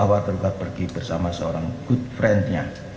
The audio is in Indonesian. bahwa tergugat pergi bersama seorang good friendnya